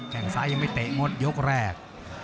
แข่งซ้ายังไม่เตะหมดยกแรก